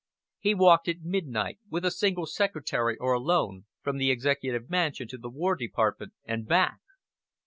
He walked at midnight, with a single Secretary or alone, from the Executive Mansion to the War Department and back.